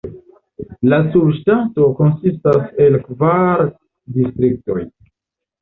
La subŝtato konsistas el kvar distriktoj.